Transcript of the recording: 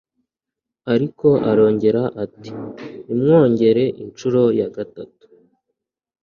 ariko arongera ati “nimwongere incuro ya gatatu